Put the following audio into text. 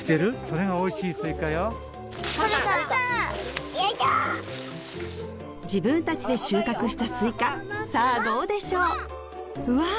それが自分達で収穫したスイカさあどうでしょううわ